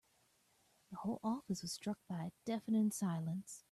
The whole office was struck by a deafening silence.